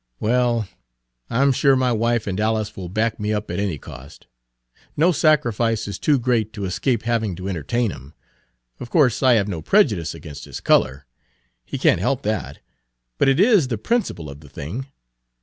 Well, I'm sure my wife and Alice will back me up at any cost. No sacrifice is too great to escape having to entertain him; of course I have no prejudice against his color, he Page 122 can't help that, but it is the principleof the thing.